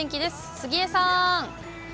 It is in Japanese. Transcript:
杉江さーん。